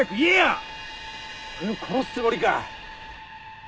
俺を殺すつもりか。